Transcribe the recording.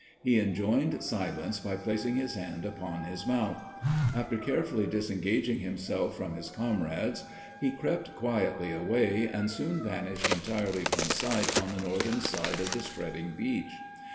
He enjoined silence by placing his hand upon his mouth. After carefully disengaging himself from his comrades, he crept quietly away, and soon vanished entirely from sight on the northern side of the spreading beech.